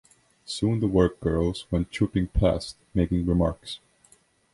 Soon the work-girls went trooping past, making remarks.